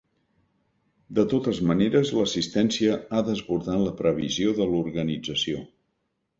De totes maneres, l’assistència ha desbordat la previsió de l’organització.